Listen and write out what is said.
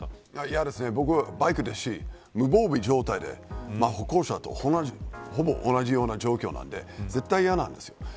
嫌ですね、僕はバイクですし無防備状態で歩行者とほぼ同じような状況なので絶対嫌です。